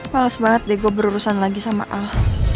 males banget deh gue berurusan lagi sama al